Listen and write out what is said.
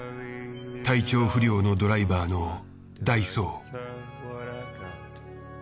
体調不良のドライバーの代走。